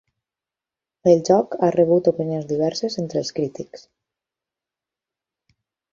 El joc ha rebut opinions diverses entre els crítics.